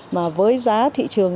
mà với giá thị trường